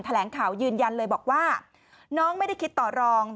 แถลงข่าวยืนยันเลยบอกว่าน้องไม่ได้คิดต่อรอง